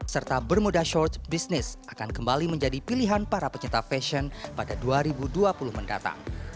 serta bermuda short business akan kembali menjadi pilihan para pencinta fashion pada dua ribu dua puluh mendatang